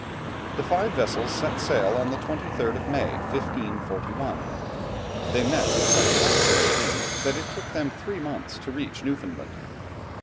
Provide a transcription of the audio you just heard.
The five vessels set sail on the 23rd of May, 1541. They met with such contrary winds that it took them three months to reach Newfoundland.